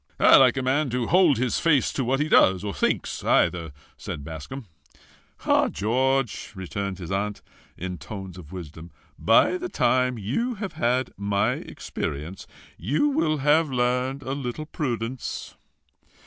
"I like a man to hold his face to what he does, or thinks either," said Bascombe. "Ah, George!" returned his aunt, in tones of wisdom, "by the time you have had my experience, you will have learned a little prudence."